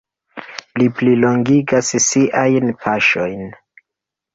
Li plilongigas siajn paŝojn.